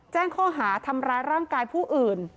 แจ้งข้อหาทำร้ายร่างกายผู้อื่น